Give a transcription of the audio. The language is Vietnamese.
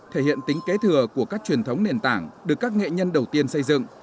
thể hiện tính kế thừa của các truyền thống nền tảng được các nghệ nhân đầu tiên xây dựng